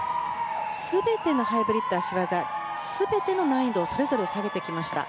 全てのハイブリッド、脚技全ての難易度をそれぞれ下げてきました。